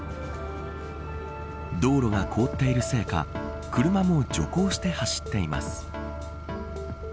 道路が凍っているせいか車も徐行して走っています。